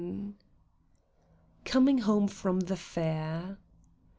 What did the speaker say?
COMING HOME FROM THE FAIR.